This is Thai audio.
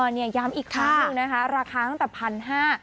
เนี่ยย้ำอีกครั้งหนึ่งนะคะราคาตั้งแต่๑๕๐๐บาท